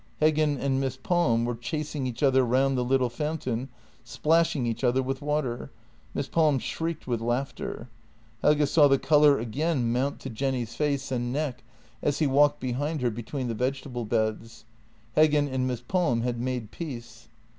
Heggen and Miss Palm were chasing each other round the little fountain, splashing each other with water. Miss Palm shrieked with laughter. Helge saw the colour again mount to Jenny's JENNY 83 face and neck as he walked behind her between the vegetable beds. Heggen and Miss Palm had made peace.